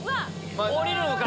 下りるのか？